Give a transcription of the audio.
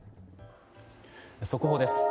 速報です。